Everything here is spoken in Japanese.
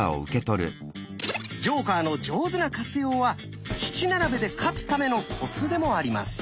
ジョーカーの上手な活用は七並べで勝つためのコツでもあります。